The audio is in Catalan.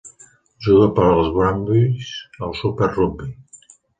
Juga per als Brumbies al Super Rugby.